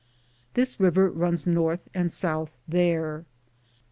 This river runs north and south there.